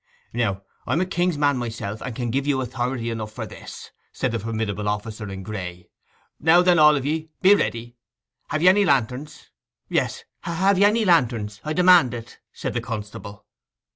'Now, I'm a king's man myself; and can give you authority enough for this,' said the formidable officer in gray. 'Now then, all of ye, be ready. Have ye any lanterns?' 'Yes—have ye any lanterns?—I demand it!' said the constable.